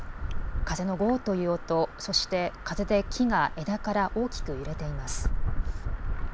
風のごーという音、そして風で木が枝から大きく揺れています。